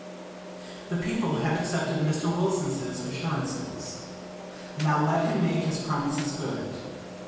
The people have accepted Mr. Wilson's assurances. Now let him make his promises good.